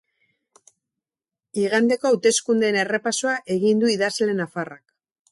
Igandeko hauteskundeen errepasoa egin du idazle nafarrak.